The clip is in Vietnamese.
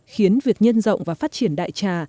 khiến việc nhân rộng và phát triển đại trà